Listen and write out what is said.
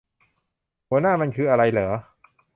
หัวหน้ามันคืออะไรหรอ